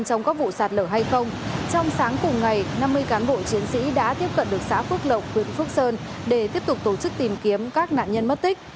trong sáng cùng ngày năm mươi cán bộ chiến sĩ đã tiếp cận được xã phước lộc huyện phước sơn để tiếp tục tổ chức tìm kiếm các nạn nhân mất tích